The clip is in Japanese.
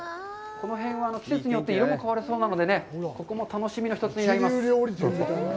この辺は季節によって色も変わるそうなので、ここも楽しみの１つになります。